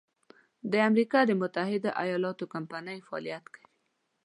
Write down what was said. د امریکا د متحد ایلااتو کمپنۍ فعالیت کوي.